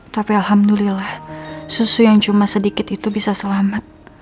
tapi alhamdulillah susu yang cuma sedikit itu bisa selamat